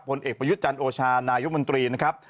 ผลเอกประยุทธ์จันทร์โอชานายุมนตรีนะครับ